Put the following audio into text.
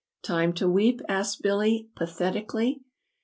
"Time to weep?" asked Billy, pa thet i cal ly.